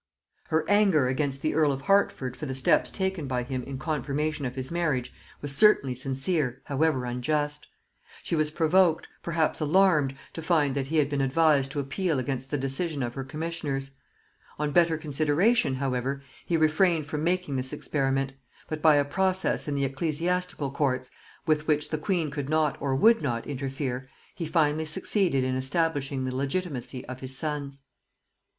Her anger against the earl of Hertford for the steps taken by him in confirmation of his marriage was certainly sincere, however unjust. She was provoked, perhaps alarmed, to find that he had been advised to appeal against the decision of her commissioners: on better consideration, however, he refrained from making this experiment; but by a process in the ecclesiastical courts, with which the queen could not or would not interfere, he finally succeeded in establishing the legitimacy of his sons.